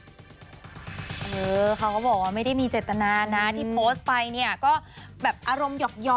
เขาก็บอกว่าไม่ได้มีเจตนานะที่โพสต์ไปเนี่ยก็แบบอารมณ์หยอก